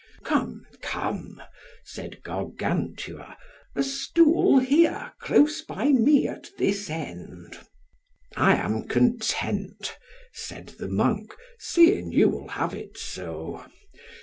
Come, come, said Gargantua, a stool here close by me at this end. I am content, said the monk, seeing you will have it so.